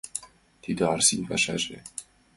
Тиде Арсин пашаже.